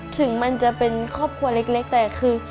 ถึงมันจะเป็นครอบครัวเล็กแต่คือ